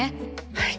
はい！